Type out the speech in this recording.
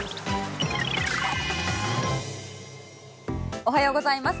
おはようございます。